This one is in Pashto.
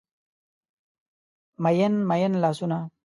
میین، میین لاسونه